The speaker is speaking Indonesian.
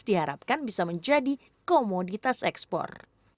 diharapkan bisa menjadi komoditas ekspor